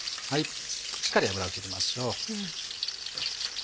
しっかり油を切りましょう。